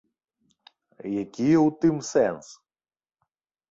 Які ў тым сэнс?